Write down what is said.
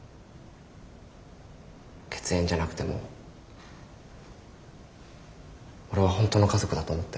血縁じゃなくても俺は本当の家族だと思ってる。